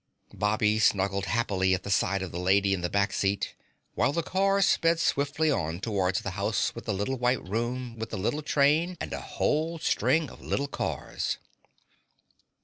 Bobby snuggled happily at the side of the lady in the back seat, while the car sped swiftly on towards the house with the little white room with the little train and a whole string of little cars.